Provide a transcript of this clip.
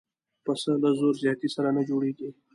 پسه له زور زیاتي سره نه جوړېږي.